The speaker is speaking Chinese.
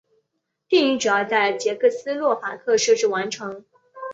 电影主要在捷克斯洛伐克摄制完成。